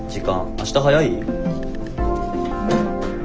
明日早い？